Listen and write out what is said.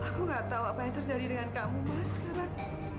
aku gak tahu apa yang terjadi dengan kamu mas sekarang